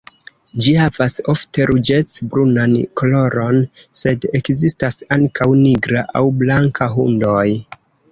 Ĝi havas ofte ruĝec-brunan koloron, sed ekzistas ankaŭ nigra aŭ blanka hundoj.